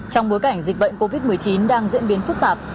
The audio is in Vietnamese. trong bối cảnh dịch bệnh covid một mươi chín đang diễn biến phức tạp